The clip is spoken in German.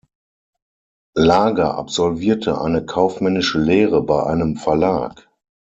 Lager absolvierte eine kaufmännische Lehre bei einem Verlag.